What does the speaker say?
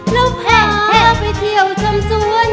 แล้วพาไปเที่ยวชำสวน